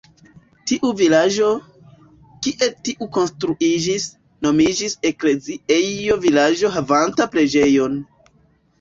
Tiu vilaĝo, kie tiu konstruiĝis, nomiĝis "ekleziejo" vilaĝo havanta preĝejon.